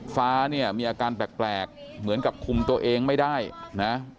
ฟ้าเนี่ยมีอาการแปลกเหมือนกับคุมตัวเองไม่ได้นะ